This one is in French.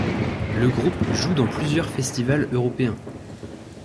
Le groupe joue dans plusieurs festivals européens.